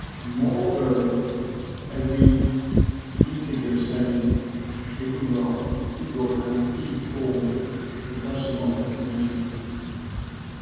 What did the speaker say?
Moreover, every integer-sided equiangular "p"-gon has "p"-fold rotational symmetry.